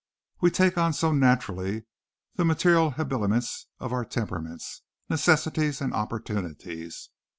We take on so naturally the material habiliments of our temperaments, necessities and opportunities.